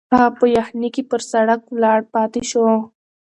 هغه په یخني کې پر سړک ولاړ پاتې شو.